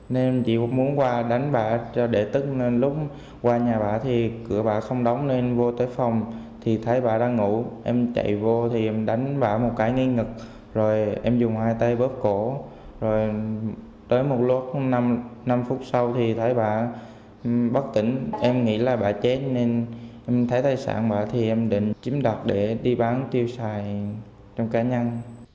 nếu là bà chết nên em thấy tài sản bà thì em định chiếm đặt để đi bán tiêu xài trong cá nhân